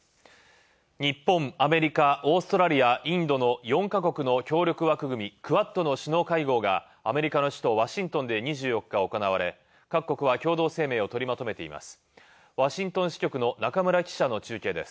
日本、アメリカ、オーストラリア、インドの４ヵ国の協力枠組み「クアッド」の首脳会合がアメリカの首都ワシントンで２４日行われ、各国は、共同声明をとりまとめています。